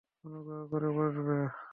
অনুগ্রহ করে বসবে?